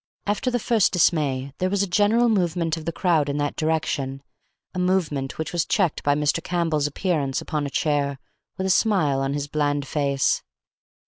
After the first dismay, there was a general movement of the crowd in that direction, a movement which was checked by Mr. Campbell's appearance upon a chair, with a smile on his bland face.